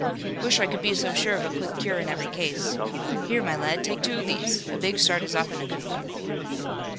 "Wish I could be so sure of a quick cure in every case. Here, my lad, take two of these. A big start is often a good one."